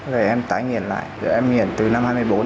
rồi em tái nghiện lại rồi em nghiện từ năm hai mươi bốn